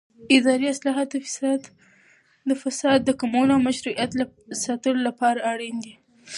اداري اصلاحات د فساد د کمولو او مشروعیت د ساتلو لپاره اړین دي